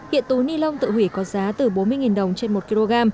hiện túi ni lông tự hủy có giá từ bốn mươi đồng trên một kg